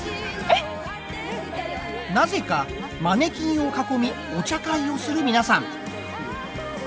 なぜかマネキンを囲みお茶会をする皆さん。